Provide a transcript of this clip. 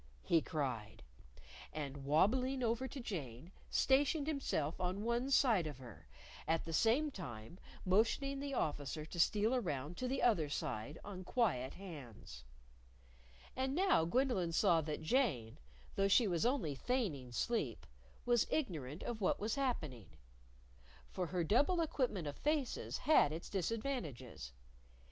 he cried. And wabbling over to Jane, stationed himself on one side of her, at the same time motioning the Officer to steal round to the other side on quiet hands. And now Gwendolyn saw that Jane, though she was only feigning sleep, was ignorant of what was happening. For her double equipment of faces had its disadvantages.